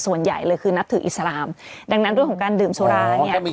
ส่วนใหญ่เลยคือนับถืออิสลามดังนั้นเรื่องของการดื่มสุราเนี่ย